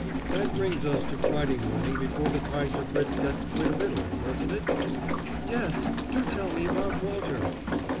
That brings us to Friday morning before the Kaiser Fritz gets quit of Italy, doesn't it?" "Yes do tell me about Walter!"